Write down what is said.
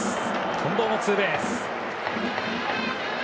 近藤のツーベース。